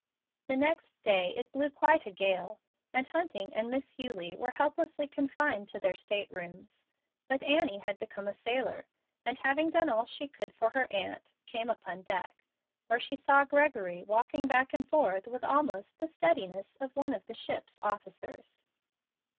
The next day it blew quite a gale, and Hunting and Miss Eulie were helplessly confined to their staterooms. But Annie had become a sailor, and having done all she could for her aunt, came upon deck, where she saw Gregory walking back and forth with almost the steadiness of one of the ship's officers.